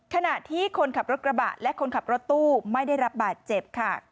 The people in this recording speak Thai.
ขณะที่คนขับรถกระบะและคนขับรถตู้ไม่ได้รับบาดเจ็บค่ะ